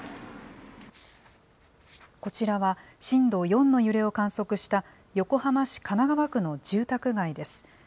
こちらは、震度４の揺れを観測した、横浜市神奈川区の住宅街です。